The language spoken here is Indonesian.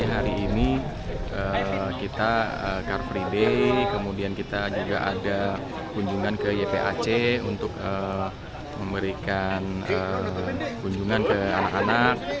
hari ini kita car free day kemudian kita juga ada kunjungan ke ypac untuk memberikan kunjungan ke anak anak